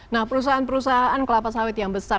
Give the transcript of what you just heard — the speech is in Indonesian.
nah perusahaan perusahaan kelapa sawit yang besar